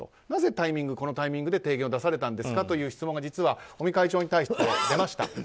なぜこのタイミングで提言を出されたんですかという質問が尾身会長に対して出ました。